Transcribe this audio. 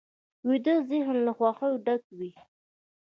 ویده ذهن له خوښیو ډک وي